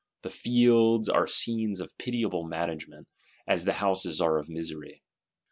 The fields are scenes of pitiable management, as the houses are of misery.